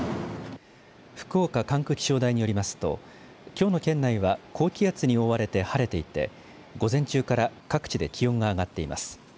福岡管区気象台によりますときょうの県内は高気圧に覆われて晴れていて午前中から各地で気温が上がっています。